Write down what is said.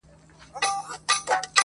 • دا وايي دا توره بلا وړي څوك.